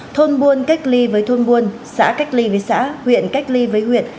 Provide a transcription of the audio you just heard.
thôn buôn cách ly với thôn buôn xã cách ly với xã huyện cách ly với huyện